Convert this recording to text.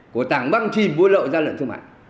của tảng băng chìm vô lộ ra lợi thương mại